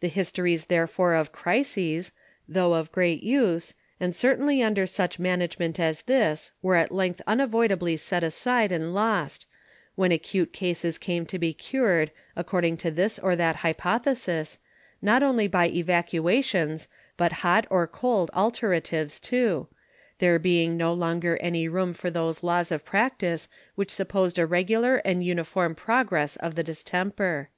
The Histories therefore of Crises, tho' of great Use, and certainty under such Management as this, were at length unavoidably set aside and lost; when Acute Cases came to be Cured, according to this or that Hypothesis, not only by Evacuations, but hot or cold Alteratives too; there being no longer any room for those Laws of Practice which supposed a regular and uniform Progress of the Distemper.